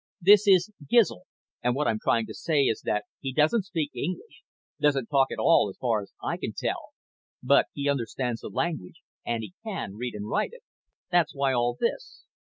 This is Gizl, and what I'm trying to say is that he doesn't speak English. Doesn't talk at all, as far as I can tell. But he understands the language and he can read and write it. That's why all this."